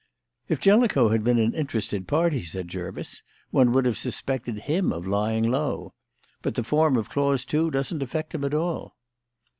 "If Jellicoe had been an interested party," said Jervis, "one would have suspected him of lying low. But the form of clause two doesn't affect him at all."